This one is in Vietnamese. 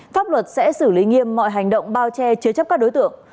pháp luật sẽ xử lý nghiêm mọi hành động bao che chứa chấp các đối tượng